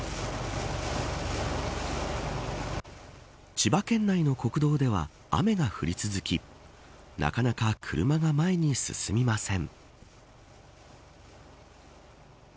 千葉県内の国道では雨が降り続きなかなか車が前に進みません。